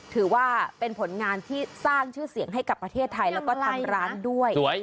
ถือว่าเป็นผลงานที่สร้างชื่อเสียงให้กับประเทศไทยแล้วก็ทางร้านด้วย